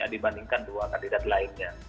dibandingkan dua kandidat lainnya